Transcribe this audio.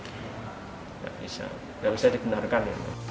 tidak bisa tidak bisa dibenarkan